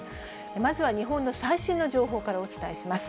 まずは日本の最新の情報からお伝えします。